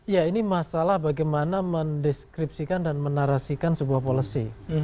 ya ini masalah bagaimana mendeskripsikan dan menarasikan sebuah policy